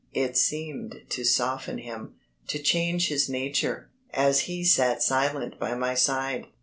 It seemed to soften him, to change his nature, as he sat silent by my side.